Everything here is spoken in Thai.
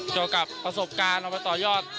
เกี่ยวกับประสบการณ์เอาไปต่อยอด